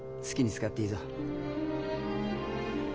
好きに使っていいぞ。